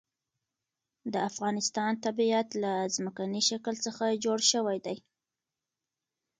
د افغانستان طبیعت له ځمکنی شکل څخه جوړ شوی دی.